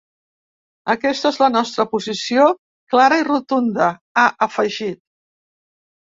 Aquesta és la nostra posició clara i rotunda, ha afegit.